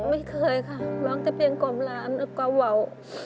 ไม่เคยค่ะร้องแต่เพียงกล่อมล้านแล้วก็วาว